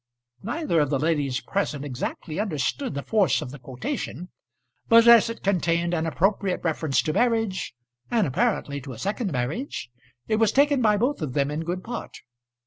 Neither of the ladies present exactly understood the force of the quotation; but as it contained an appropriate reference to marriage, and apparently to a second marriage, it was taken by both of them in good part.